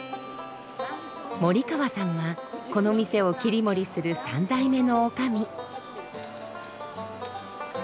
森川さんはこの店を切り盛りする３代目の女将。